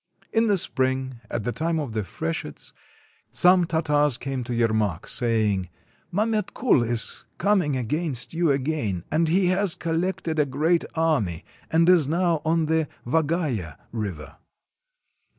In the spring, at the time for the freshets, some Tar tars came to Yermak, saying: — "Mametkul is coming against you again, and he has collected a great army, and is now on the Vagaya River."